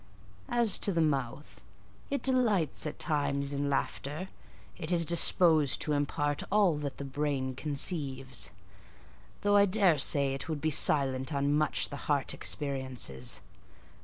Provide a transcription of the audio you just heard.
"As to the mouth, it delights at times in laughter; it is disposed to impart all that the brain conceives; though I daresay it would be silent on much the heart experiences.